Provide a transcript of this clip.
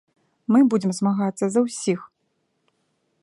Мы будзем змагацца за ўсіх.